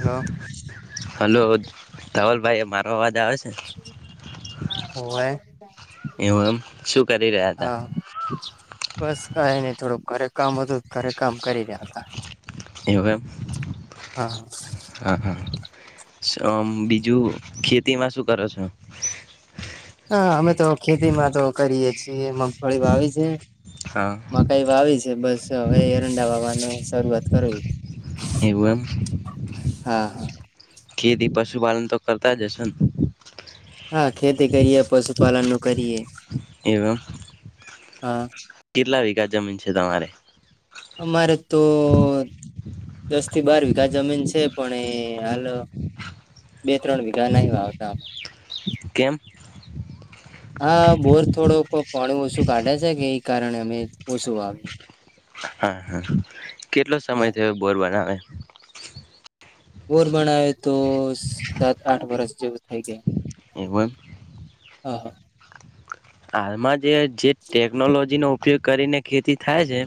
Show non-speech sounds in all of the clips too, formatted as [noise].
Hello hello ધાવલભાઈ મારો અવાજ આવે છે હોવે એું એમ શું કરી રહ્યા હતા. હા થોડો કરેક કામ વધું ઘરે કામ કરી રહ્યા હતા. એ ભ હા. બીજું ખેતીમાં શું કરો છો? હા અમે તો ખેતી માં તો કરીએ મગફળી વાવી છે હા મકાઈ વાવી છે બસ હવે એરંડા વાવાનું શરૂઆત કરો. એવો એમ હા હા ખેતી પશુપાલન તો કરતા જ હશે ને. હા ખેતી કરીએ પશુપાલનનું કરીએ એવું એમ હા કેટલા વીઘા જમીન છે તમારે અમારે તો દસથી બાર વીઘા જમીન છે પણ એ હાલ બે ત્રણ વીઘા નહી વાવતા અમે કેમ પોણી ઓછું કાઢે છે કે ઈ કારણે અમે ઓછું વાવીએ હા હા કેટલો હા સમય થયો બોર બનાવે બોર બણાવે તો સ સાત આઠ વર્ષ જેવું થઈ ગયા એવું એમ હા હા હાલમાં જે જે ટેકનોલોજીનો ઉપયોગ કરીને ખેતી થાય છે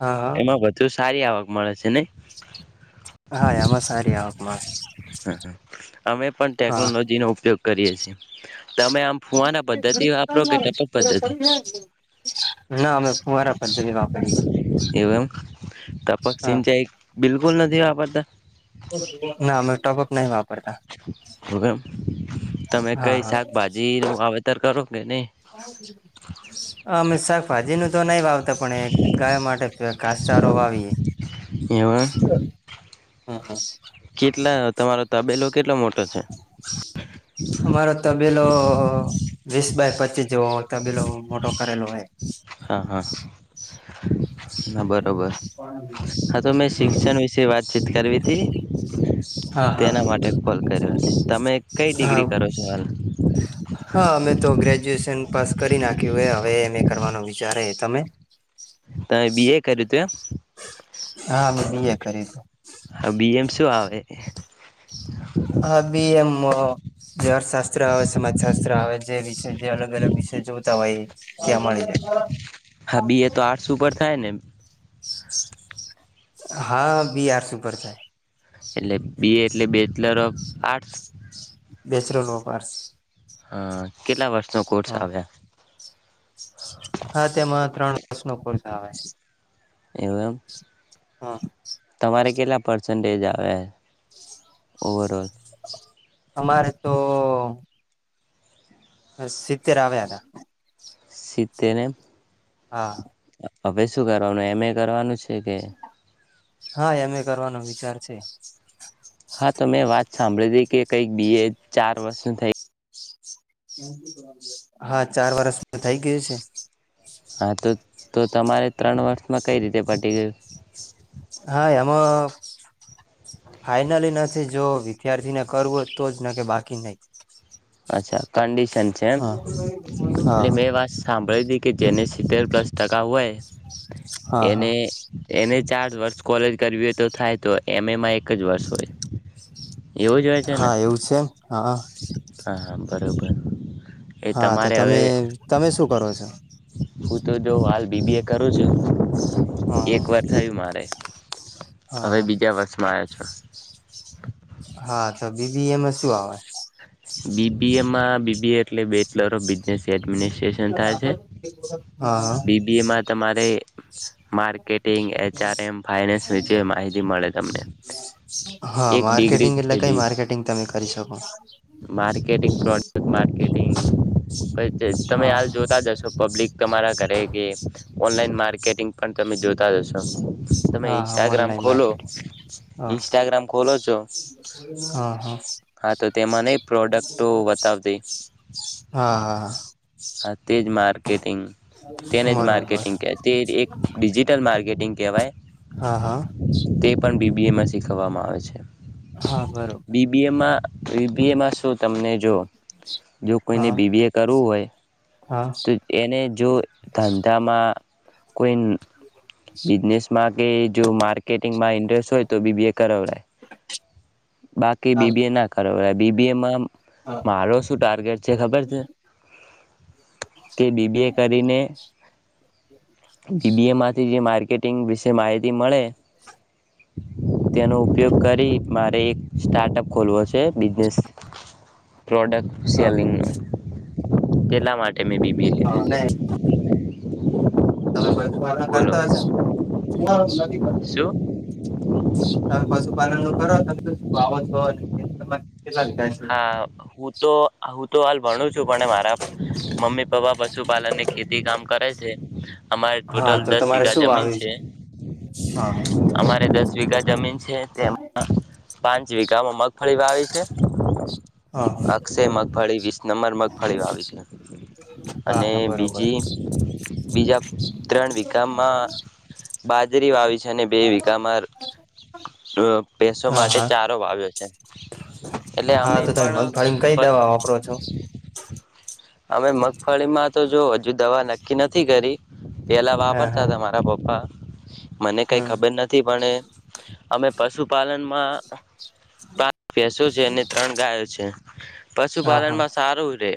હા હા એમાં વધુ સારી આવક મળે છે ને હા એમાં સારી આવક મળે હા હા અમે પણ હા ટેકનોલોજીનો ઉપયોગ કરીએ છે. [inaudible] [unintelligible] ટપક પદ્ધતિ ના અમે ફુવારા પદ્ધતિ વાપરીએ તપક સિંચાઈ બિલકુલ નથી વાપરતા ના અમે ટપક નહીં વા એવુ એમ તમે હા કઈ હા શાકભાજીનું વાવેતર કરો કે નહી અમે શાકભાજીનું તો નહી વાવતા પણ એ ગાય માટે ભે ઘાસચારો વાવીએે એવા [inaudible] કેટલા તમારો તબેલો કેટલો મોટો છે ઓ વીસ બાય પચીસ જેવો તબેલો મોટો કરેલો હોય હા હા [unintelligible] હા હમ બરોબર હા તો મેં હમ શિક્ષણ વિશે વાતચીત કરવી હા હતી હા તેના માટે કોલ કર્યો તમે કઈ હા ડિગ્રી કરો છો હાલ હા અમે તો ગ્રેજ્યુએશન પાસ કરી નાખ્યું હે હવે એને કરવાનો વિચાર હે તમે તમે બીએ કર્યું તું એમ હા અમે બી એ કર્યું હ બીએમ શું આવે હ બી એમ. જે અર્થશાસ્ત્ર આવે સમાજશાસ્ત્ર આવે જે વિષય જે અલગ અલગ વિષય જોતા હોય એ ત્યાં મળી જાય હભી એ તો આર્ટસ ઉપર થ ક નહી હા બીઆર સુપર થાય એટલે બી એ એટલે બેચલર ઓફ આર્ટ્સ બેસરોલોપર હા કેટલા વર્ષ. નો કોર્સ આવ્યા‌. હા તેમાં ત્રણ વર્ષ નો કોર્સ આવે. એવમ. હા. તમારે કેટલા પર્સન્ટેજ આવે ઓવરઓલ. અમારે તો બ સીતેરવે્યા હતા. શીતેને. હતા હા હવે શું કરવાનું એમ એ કરવાનું છે. કે હા એમ કરવાનો વિચાર છે. [inaudible] હા તો મેં વાત સાંભળી તી કે કંઈક બી ચાર વર્ષ થઈ હા ચાર વરષ થઈ ગયું છે. હા તો તો તમારે ત્રણ વર્ષમાં કઈ રીતે પટી ગયું. હા એમાં ફાઈનલી નથી જો વિદ્યાર્થીને કરવો તો જ ના કે બાકી નહી. કન્ડિશ છેન હા હા એટલે મેં વાત સાંભળી હતી. કે જેને સિત્તેર પ્લસ ટકા હોય. હા એને હા એને ચારજ વર્ષ કોલેજ કરવી હોય તો થાય તો એમ એમાં એક જ વર્ષ હોય. એવું જ હોય છે ને. હા એવું છે એમ હા. બરાબર. હા તો તમે તમે શું કરો છો. હું તો જો હાલ બીબી એ કરું છું. એક હા વાર થયું મારે. હા હવે હા બીજા વર્ષમાં આવ્યા છો. હા તો બીબી એમાં શું આવે? બીબીએમાં બીબીએ એટલે બેચલર ઓફ બિઝનેસ એડમિ હા હ બીબીએમાં તમારે માર્કેટિંગ એચઆરએમ ફાઇનાન્સ વિશે માહિતી મળે તમને હા એક ડિગ્રી માર્કેટિંગ જ એટલે છે કઈ બી માર્કેટિંગ તમે કરી શકો. માર્કેટિંગ પ્રોડક્ટ માર્કેટિંગ પ હા જોતા જશો પબ્લિક તમારા ઘરે કે ઓનલાઈન માર્કેટિંગ પણ તમે જોતા જશો. હા હા ઓનલાઇન માર્કેટંગ હા ઇન્સ્ટાગ્રામ ખોલો છો હા હા. પ્રોડક્ટતા હા તે માર્કેટિંગ તેને જ હા બરોબર માર્કેટિંગ એકિજિટલ કેટિંગ કેવાય. હા હા. બી એમ એ શીખવવામાં આવે છે. હા બરોબર. ર બ એમાં સુ? તમને જો જો કોઈને હા હા હા બીબી એ કરવું હોય. હા હા હા તો એને જો ધંધામાં કૂન બિઝનેસ માં કે જો માર્કેટિંગમાં હો તો વિવેક કર બાકી બીબી ના કરય બીબી એમાંમ મારો શું ટાર્ગેટ છે ખબર છે કે બીબીએ કરીને બીબીએમાં ટંગ વિશે માહિતી મળે તેનો ઉપયોગ કરી મારે એક સ્ટાર્ટઅપ ખોલવો છે બિને પ્રોડક્ટ સેલિંગનું એટલા માટે મેં બીબી લીધું છે. [inaudible] હબ પુપાલન બોલો કરતા હ છે શું તમે પશુપાલન નું કરો તમે શ શ વા છ હો ને જે તમાને હા હું તો હું તો હાલ ભણું છું પણ મારા મમ્મી પપ્પા પશુપાલન ને ખેતી કામ કરે. તે અમારે હા ટોટલ તો દસ તમારે વીઘા શું જમીન વાવ્યું છે હા અમારે દસ વીઘા જમીન છે તેમાં પાંચ વિકામાં મગફળી વાાવી છે હા હા અક્ષય મગફળી વીસ નંબર મગફળી વાવી છે હા અને હા બરોબર બીજી બીજા ત્રણ વીઘામાં બાજરી વાવી છે અને બે વઘામાં ભેસો હા માટે હા ચારો વાવ્યો છે એટલે હા અમે તો તમે મગફળીમાં કઈ પણ દવા વાપરો છો અમે મગફળી માં તો જો હજુ દવા નક્કી નથી કરી પેલા હા વાપરતા હા હતા મારા પપ્પા [inaudible] મને કઈ હમ ખબર નથી પણ અમે પશુ પશુપાલનમાં પાંચ ભસો છે અને ત્રણ ગાયો છે હા હા પશુપાલનમાં સારું રે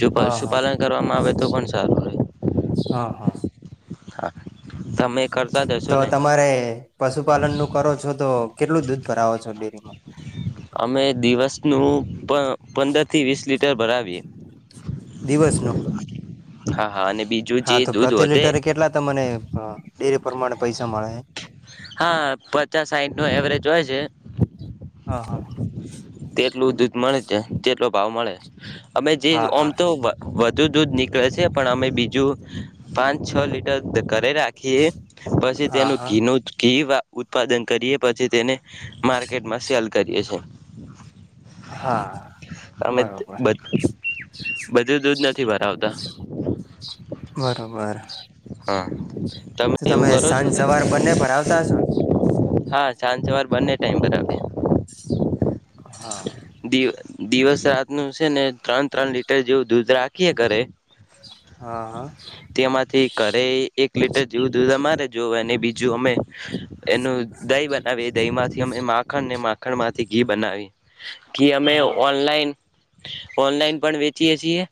જો હા હા પશુપાલન કરવામાં આવે તો પણ સારવાે હા હા હા તમે કરતા જશો તો ને તમારે પશુપાલન નું કરો છો તો કેટલું દૂધ ભરાવો છો ડેરીમાં અમે દિવસનું પણ પંદર થી વીસ લીટર ઉતર ભરાવીએ દિવસ ન હા હા અને બીજું જે હા તો દૂધ પ્રતિ વધે લિટર કેટલા તમને ડેરે પ્રમાણે પૈસા મળે હા પચાસ સાઈઠ નો એવરેજ હોય છે હા હા તેટલું દૂધ મળે તેટલો ભાવ મળે અમે હા જેમ હા તો ધ દૂધ નીકળે છે પણ અમે બીજું પાંચ છ લીટર ઘરે રાખીએ પછી હા તેનું હા ઘીનું ઘી ઉત્પાદન કરીએ પછી તેને માર્કેટમાં સેલ કરીએ છ છે હમ હા તમે બરોબર બધું દૂધ નથી નથી ભરાવતા બરોબર હા તો એવું તમે કરો છો સાંજ કઈ સવાર બંને પર આવતા હશો ને હ છંજ સવાર બંને ટાઈમ પર આપ દ હા દિવસ રાત ન છે ને ત્રણ ત્રણ લીટર જેવું દૂધ રાખીએ ઘે હા હા તેમાંથી ઘરે એક લીટર જેવું દધ અમારે જોવે અને બીજું અમે અ ઘ બનાવી દહી માંથી અમે માખણ ને માખણ માંથી ઘી બનાવી ઘી અમે હા ઓનલાઈન ઓનલાઈન પણ વેચીએ છીએ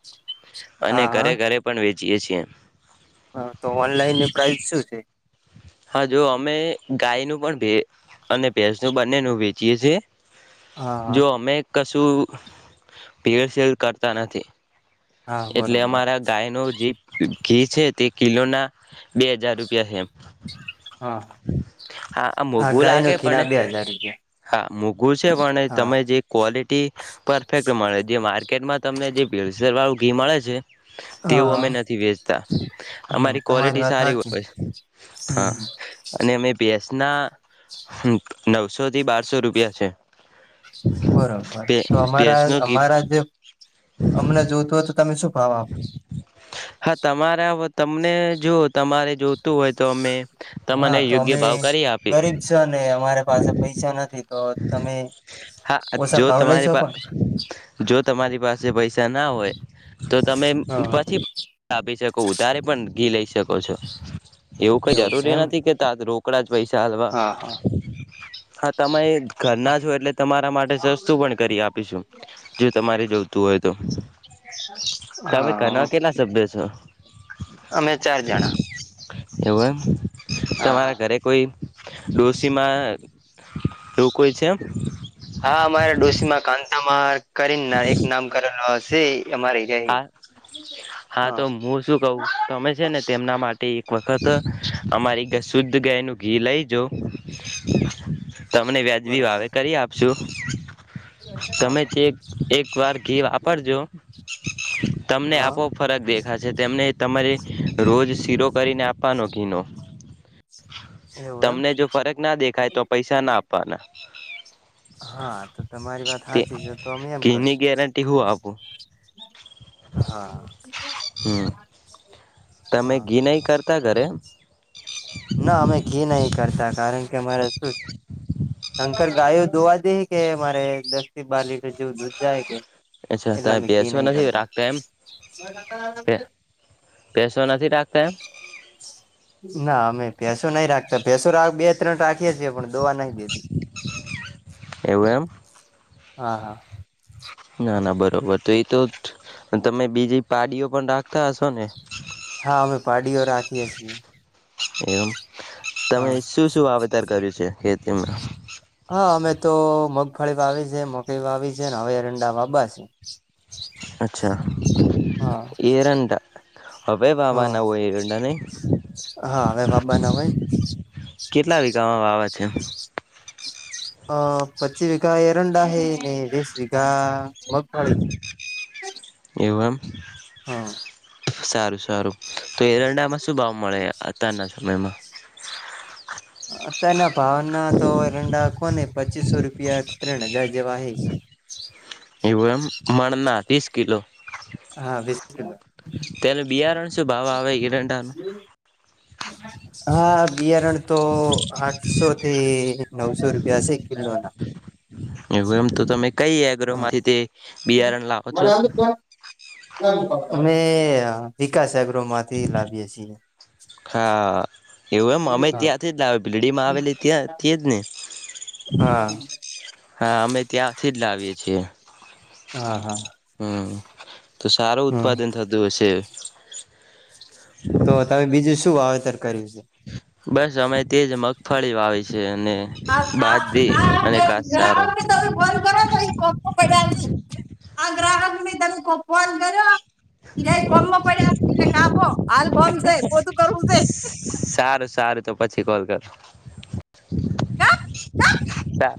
અને હા હા ઘરે ઘરે પણ વે જીએ છે હા તો ઓનલાઈન ની પ્રઇસ શું છે હા જો અમે ગાય ન પણ ભે અને ભેસનું બંને ન વેચીએ છીએ હા હા જો અમે કશું ભેડ શેડ કરતા નથી હા એટલે બરોબર અમારા ગાય ન જે ઘી છે તે કિલો ના બે હજાર રૂપિયા છેમ હા હા આ મોઘું ગાય લાગે નું ઘી પણ ના બે હજાર રૂપિયા હા મોઘું છે પણ તમે જે ક્વોલિટી પરફેક્ટ મળે જે માર્કેટમાં તમને જે ભેદ શેડ વાળું ઘી મળે છે હા તેઓ અમે હા નથી વેચતા અમારી તમારી ક્વોલિટી વાત સારી સાચી હોય હા હમ અને અમે પીએસ ના નવસો થી બારસો રૂપિયા છે બરોબર ભે તો અમારા ભેંસનું ઘી અમારા જે અમને જોતું હોય તો તમે શું હા હા તમારા તમને જો તમારે જોતું હોય તો અમે હા તમને તો યોગ્ય અમે ભાવ કરી આપીએ ગરીબ છ ને અમારે પાસે પૈસા નથી તો તમે હા જો ઓછા ભાવ લઈ તમારી પા શકોને જો તમારી પાસે પૈસા ના હોય તો તમે હા પછી આપી શકો ઉતારે પણ ઘી લઈ શકો છો એવું કઈ છે જરૂરી એમ નથી કે ત રો [inaudible] પૈસાાલવા. હા હા હા તમે ઘરના છો એટલે તમારા માટે સસ્તું પણ કરી આપીશું જે તમારે જોવું. તો હોય તો. તમે હા ઘરના કેટલા સભ્ય છો અમે ચાર જણા એવું એમ હા તમારા હા ઘરે કોઈ રોશીમાં. હા અમારા ડોશીમાં કાતા મા. કરીને ના એક નામ કરેલો હશે અમારી રહી હા હા તો હું શું કવું તમે છે ને તેમના માટે એક વસ્ત વખત અમારી શુદ્ધ ગાયનું ઘી લઈ જા તમને વ્યાજબી વાવે બરોબર કરી આપશું. [inaudible] હા તમે એક વાર ઘી આપો જોય. તમને હા આપો ફરક દેખ તેમને તમારે રોજ શીરો કરીને આપવાનો ઘીનો. એવું એમ તમને જો ફરક ના દેખાય તો પૈસા ના આપવાના હા તો તમારી વાત તે સાચી જ તો અમે એમ ઘીની કરશું. ગેરંટી હું આપું હા. હમ તમે હા ઘી નહી કરતા ઘરે ના અમે ઘી નહી કરતા કારણ કે કે મારે શું શંકર ગાયો દોવા દે કે મારે દસ થી બાર જેવું દૂધ જાય કે. અચ્છા એટલે તમે અમેઘી ભેસો નહ નથી કરતા રાખતા એમ ભેસો નથી રાખતા એમ ના અમેભેસો નહ રાખતા ભેસો રા બે ત્રણ રાખીએ છીએ પણ દોવા નહી દે. [inaudible] એવું એમ. હા હા. ના ના બર. બરોબર તો એ તો તમે બીજી પાડીઓ પણ રાખતા હશો ને. હા અમે પાડીઓ રાખીએ છીએ એમ તમે હા. શું શું વાવેતર કર્યું છે ખેતીમાં હા અમે. તો મગફળી વાવી છે મકળ વાવી છે ને હવે એરંડા વાવવા છે અચ્છા હા એરંડા હવે હ વાવાના એરંડા નહી હા હવે વાવવાના હોય કેટલા વિગામાં વાવે છે અ પચી વિગા એરંડા હ ને વીસ વિગા મગફડી એવું એમ સારું સારું તો એરંડામાં શું ભાવ મળે અત્યારના સમયમાં અ ત્યારંના પાવના તો એરંડા કોને પચીસો રૂપિયા ત્રણ હજાય જેવા એવ એમ મણના ત્રીસ કિલો હા વીસ તેનું બિયારણ શું ભાવ આવે એરંડાનું હા બિયારણ તો આઠસો થી નવસો રૂપિયા હશે કિલોના એવું એમ તો તમે કઈ એગ્ર હા માંથી તે બિયારણ લાવો છો અમે વિકાસ માંથી લાવીએ છીએ હા એવું એમ અમે ત્યાંથી લાવી ભીલડી માં આવેલી ત્યાંથી જ ને હા હા હા અમે ત્યાં ત્યાંથી લાવીએ છીએ હા હા હમ તો સારો હમ ઉત્પાદન થતું હશે તો તમે બીજું શું વાવેતર કર્યું છે બસ અમે તેજ મગફળી વાવી છે અને આ બાજરી અને ગ્રાહક કાચસારો ને તમે ફોન કરો ને પડ્યા ન આ ગ્રાહક મે તમે કોન કર્યો સિય ગમમાં પડ્યા એટલે કાપ હાલ પોતું બધું કરવું છે સારું સારું તો પછી કોલ કરો ચાલ